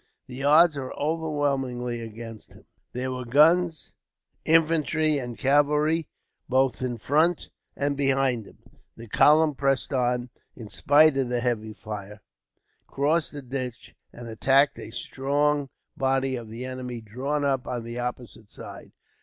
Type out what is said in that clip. The odds were overwhelmingly against him. There were guns, infantry, and cavalry, both in front and behind them. The column pressed on, in spite of the heavy fire, crossed the ditch, and attacked a strong body of the enemy drawn up on the opposite side.